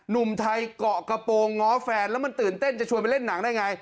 หนุ่มไทยเกาะกระโปรงง้อแฟนแล้วมันตื่นเต้นจะชวนไปเล่นหนังได้ไง